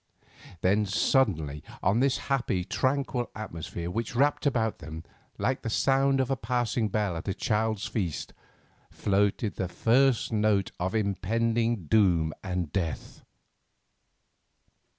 Then suddenly on this happy, tranquil atmosphere which wrapped them about—like the sound of a passing bell at a child's feast—floated the first note of impending doom and death.